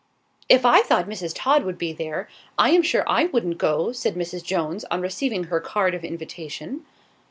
"If I thought Mrs. Todd would be there, I am sure I wouldn't go," said Mrs. Jones, on receiving her card of invitation.